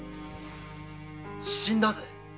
死んだぜ。